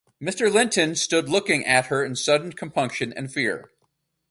Mr. Linton stood looking at her in sudden compunction and fear.